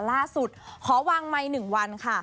ล่าสุดขอวางไหมหนึ่งวันค่ะ